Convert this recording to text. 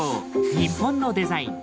日本のデザイン。